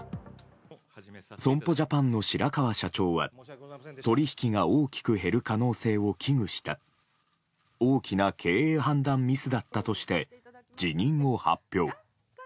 損保ジャパンの白川社長は取引が大きく減る可能性を危惧した大きな経営判断ミスだったとして辞任を発表。